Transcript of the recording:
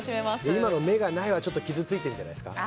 今の、目がないっていうのは傷ついてるんじゃないですか。